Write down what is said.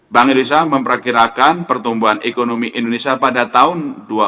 bank indonesia memperkirakan pertumbuhan ekonomi indonesia pada tahun dua ribu dua puluh